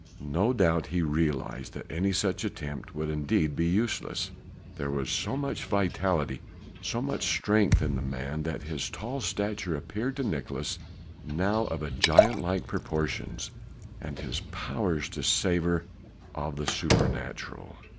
No doubt he realized that any such attempt would indeed be useless: there was so much vitality, so much strength in the man that his tall stature appeared to Nicolaes now of giant like proportions, and his powers to savour of the supernatural.